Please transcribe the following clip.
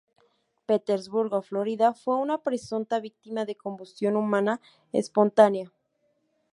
Petersburg, Florida, fue una presunta víctima de combustión humana espontánea.